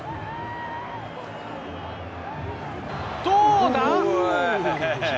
どうだ？